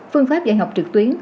phương pháp dạy học trực tuyến